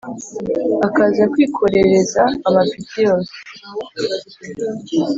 Akazakwikorereza amapiki yose